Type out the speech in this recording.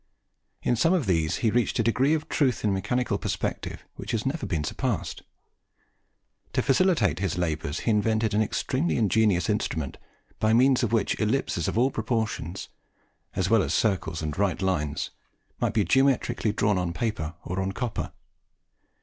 In some of these, he reached a degree of truth in mechanical perspective which has never been surpassed. To facilitate his labours, he invented an extremely ingenious instrument, by means of which ellipses of all proportions, as well as circles and right lines, might be geometrically drawn on paper or on copper.